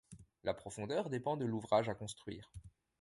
La profondeur dépend de l'ouvrage à construire.